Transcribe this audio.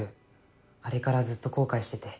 あれからずっと後悔してて。